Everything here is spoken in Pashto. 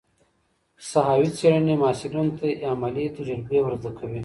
ساحوي څېړني محصلینو ته عملي تجربې ور زده کوي.